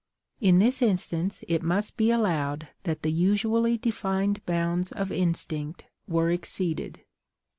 In this instance it must be allowed that the usually defined bounds of instinct were exceeded.